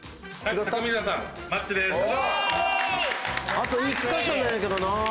あと１カ所なんやけどなぁ。